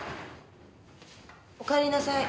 おかえりなさい。